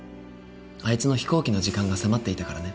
あいつの飛行機の時間が迫っていたからね。